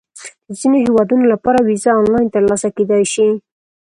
د ځینو هیوادونو لپاره ویزه آنلاین ترلاسه کېدای شي.